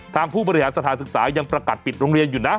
ผู้บริหารสถานศึกษายังประกัดปิดโรงเรียนอยู่นะ